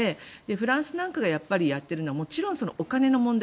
フランスなんかがやっているのはもちろんお金の問題